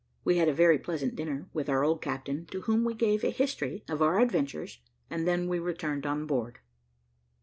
We had a very pleasant dinner with our old captain, to whom we gave a history of our adventures, and then we returned on board.